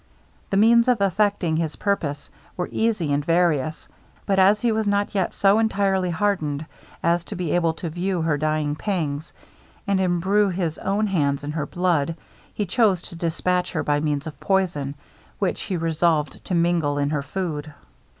The means of effecting his purpose were easy and various; but as he was not yet so entirely hardened as to be able to view her dying pangs, and embrue his own hands in her blood, he chose to dispatch her by means of poison, which he resolved to mingle in her food.